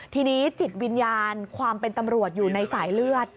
ทีนี้จิตวิญญาณความเป็นตำรวจอยู่ในสายเลือด